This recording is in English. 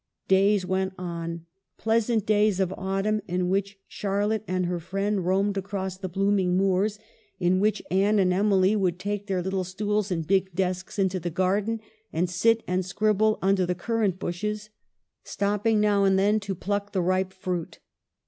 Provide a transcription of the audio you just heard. Days went on, pleasant days of autumn, in which Charlotte and her friend roamed across 70 EMILY BRONTE. the blooming moors, in which Anne and Emily would take their little stools and big desks into the garden, and sit and scribble under the cur rant bushes, stopping now and then to pluck the ripe fruit.